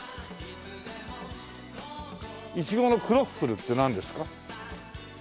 「いちごのクロッフル」ってなんですか？